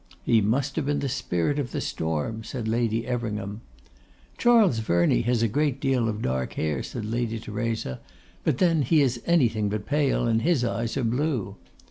'He must have been the spirit of the storm,' said Lady Everingham. 'Charles Verney has a great deal of dark hair,' said Lady Theresa. 'But then he is anything but pale, and his eyes are blue.